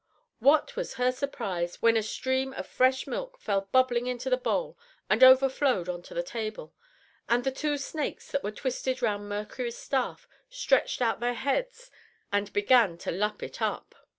What was her surprise when a stream of fresh milk fell bubbling into the bowl and overflowed on to the table, and the two snakes that were twisted round Mercury's staff stretched out their heads and began to lap it up.